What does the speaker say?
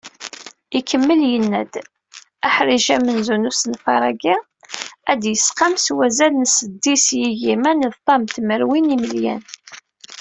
Ikemmel yenna-d: Aḥric amenzu n usenfar-agi, ad d-yesqam s wazal n seddis yigiman d ṭam tmerwin yimelyan